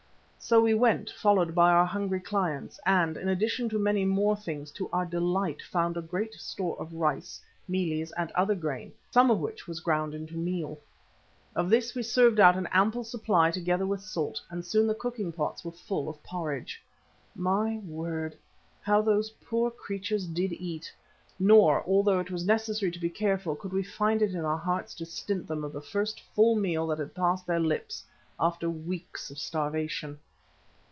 So we went, followed by our hungry clients, and, in addition to many more things, to our delight found a great store of rice, mealies and other grain, some of which was ground into meal. Of this we served out an ample supply together with salt, and soon the cooking pots were full of porridge. My word! how those poor creatures did eat, nor, although it was necessary to be careful, could we find it in our hearts to stint them of the first full meal that had passed their lips after weeks of starvation.